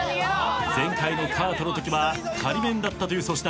前回のカートのときは仮免だったという粗品。